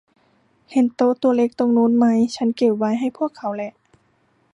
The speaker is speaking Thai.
เห็นโต๊ะตัวเล็กตรงนู่นไหม ? ฉันเก็บไว้ให้พวกเขาแหล่ะ